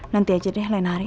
nanti aja deh lain hari